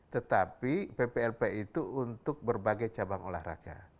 tetapi pplp itu untuk berbagai cabang olahraga